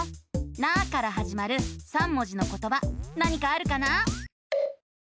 「な」からはじまる３文字のことば何かあるかな？